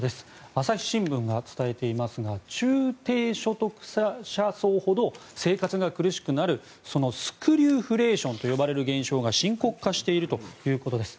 朝日新聞が伝えていますが中低所得者層ほど生活が苦しくなるスクリューフレーションと呼ばれる現象が深刻化しているということです。